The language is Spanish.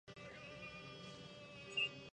Tiene dos hijos: Rodrigo y Paula.